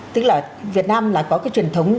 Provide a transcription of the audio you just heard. tức là việt nam là có cái truyền thống